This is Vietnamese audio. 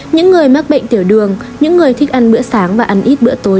những người mắc bệnh tiểu đường những người thích ăn bữa sáng và ăn ít bữa tối